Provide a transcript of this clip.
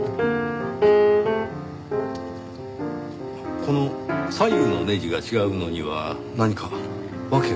この左右のネジが違うのには何か訳が？